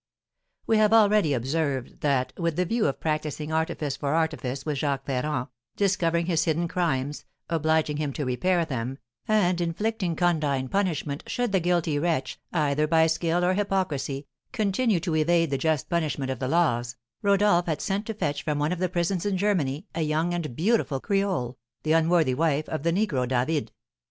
We have already observed that, with the view of practising artifice for artifice with Jacques Ferrand, discovering his hidden crimes, obliging him to repair them, and inflicting condign punishment should the guilty wretch, either by skill or hypocrisy, continue to evade the just punishment of the laws, Rodolph had sent to fetch from one of the prisons in Germany a young and beautiful creole, the unworthy wife of the negro David.